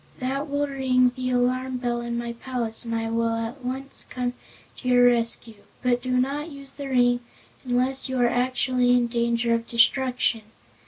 That will ring the alarm bell in my palace and I will at once come to your rescue. But do not use the ring unless you are actually in danger of destruction.